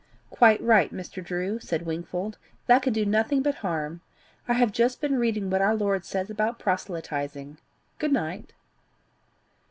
"Quite right, Mr. Drew," said Wingfold; "that could do nothing but harm. I have just been reading what our Lord says about proselytizing. Good night."